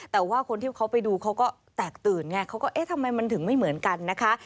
แต่ว่าคนที่เขาไปดูเขาก็แตกตื่นไงเขาก็เอ๊ะทำไมมันถึงไม่เหมือนกันนะคะ